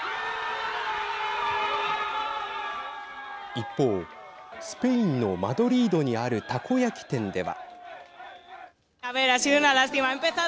一方、スペインのマドリードにあるたこ焼き店では。